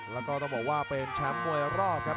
แล้วก็ต้องบอกว่าเป็นแชมป์มวยรอบครับ